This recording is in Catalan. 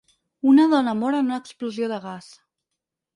Una dona mor en una explosió de gas.